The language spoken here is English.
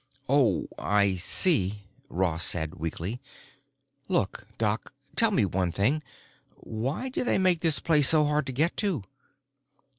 "Oh, I see," Ross said weakly. "Look, Doc, tell me one thing—why do they make this place so hard to get to?"